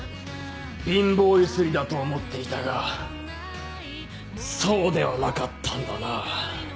貧乏揺すりだと思っていたがそうではなかったんだな。